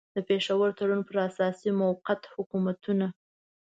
د پېښور تړون پر اساس موقت حکومتونه.